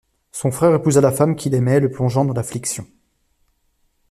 Son frère épousa la femme qu'il aimait, le plongeant dans l'affliction.